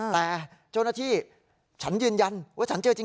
แต่เจ้าหน้าที่ฉันยืนยันว่าฉันเจอจริง